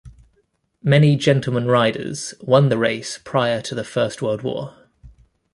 Many gentleman riders won the race prior to the First World War.